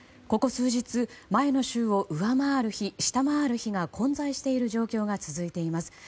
ここ数日、前を週を上回る日下回る日が混在している状況が続いています。